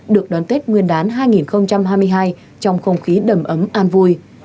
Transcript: được đón tết nguyên đán hai nghìn hai mươi hai trong không khí đầm ấm an vui